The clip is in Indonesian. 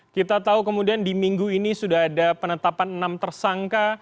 kita tahu kemudian di minggu ini sudah ada penetapan enam tersangka